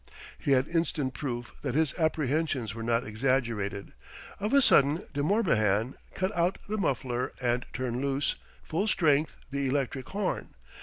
He had instant proof that his apprehensions were not exaggerated. Of a sudden De Morbihan cut out the muffler and turned loose, full strength, the electric horn.